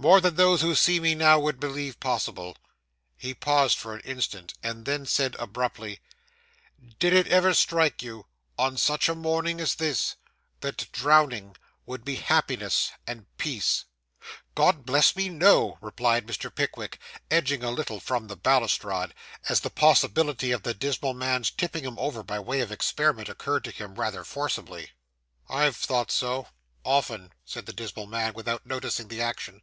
More than those who see me now would believe possible.' He paused for an instant, and then said abruptly 'Did it ever strike you, on such a morning as this, that drowning would be happiness and peace?' 'God bless me, no!' replied Mr. Pickwick, edging a little from the balustrade, as the possibility of the dismal man's tipping him over, by way of experiment, occurred to him rather forcibly. 'I have thought so, often,' said the dismal man, without noticing the action.